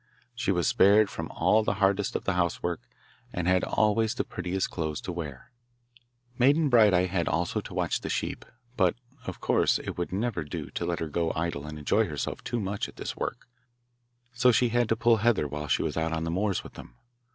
She was spared from all the hardest of the housework, and had always the prettiest clothes to wear. Maiden Bright eye had also to watch the sheep, but of course it would never do to let her go idle and enjoy herself too much at this work, so she had to pull heather while she was out on the moors with them.